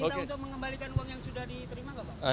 diminta untuk mengembalikan uang yang sudah diterima gak pak